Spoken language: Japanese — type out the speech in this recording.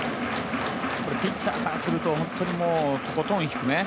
ピッチャーからすると本当にとことん低め。